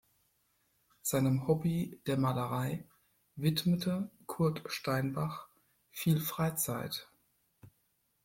Seinem Hobby, der Malerei, widmete Kurt Steinbach viel Freizeit.